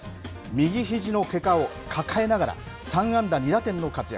右ひじのけがを抱えながら、３安打２打点の活躍。